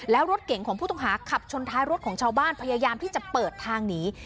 แล้วรถเก่งของผู้ต้องหาขับชนท้ายรถของชาวบ้านพยายามที่จะเปิดทางหนี